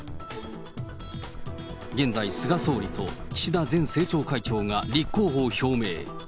現在、菅総理と岸田前政調会長が立候補を表明。